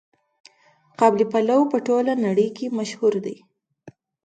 قابلي پلو په ټوله نړۍ کې مشهور دی.